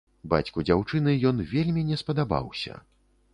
Бацьку дзяўчыны ён вельмі не спадабаўся.